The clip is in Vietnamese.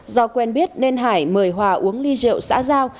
do quen biết nên hải mời hòa uống ly rượu xã giao